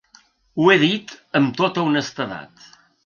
Ho he dit amb tota honestedat.